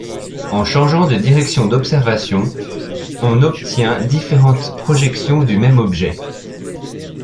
En changeant de direction d'observation, on obtient différentes projections du même objet.